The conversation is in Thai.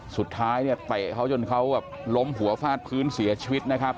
สุดท้ายเนี่ยเตะเขาจนเขาแบบล้มหัวฟาดพื้นเสียชีวิตนะครับ